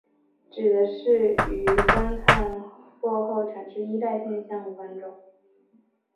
指的是于观看过后产生依赖现象的观众。